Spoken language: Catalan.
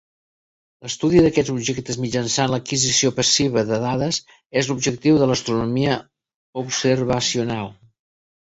L'estudi d'aquests objectes mitjançant l'adquisició passiva de dades és l'objectiu de l'astronomia observacional.